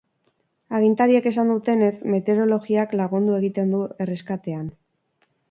Agintariek esan dutenez, meteorologiak lagundu egiten du erreskatean.